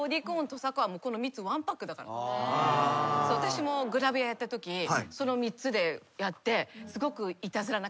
私もグラビアやったときその３つでやって。